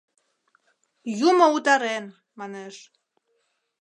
Юмо утарен, манеш.